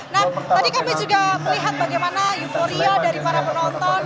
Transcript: nah tadi kami juga melihat bagaimana euforia dari para penonton